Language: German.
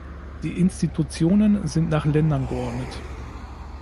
Die Institutionen sind nach Ländern geordnet.